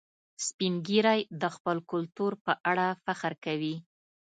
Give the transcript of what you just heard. سپین ږیری د خپل کلتور په اړه فخر کوي